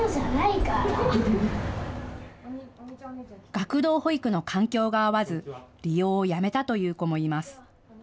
学童保育の環境が合わず利用をやめたという子もいます。